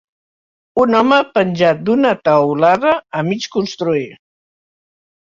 Un home penjat d'una taulada a mig construir.